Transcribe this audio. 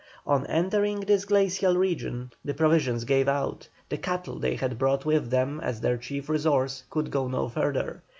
On entering this glacial region the provisions gave out, the cattle they had brought with them as their chief resource could go no further.